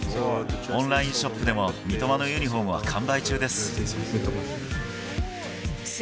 オンラインショップでも、三笘のユニホームは完売中です。